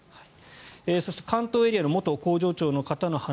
そして、関東エリアの元工場長の方の話。